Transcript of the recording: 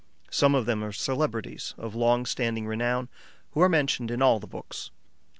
Some of them are celebrities of long standing renown, who are mentioned in all the books.